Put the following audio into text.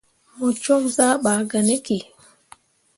Mo cwakke zah ɓaa gah ne ki.